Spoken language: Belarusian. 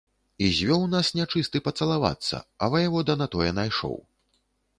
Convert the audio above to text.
І звёў нас нячысты пацалавацца, а ваявода на тое найшоў.